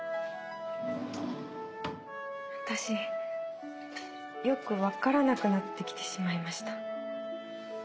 私よくわからなくなってきてしまいました。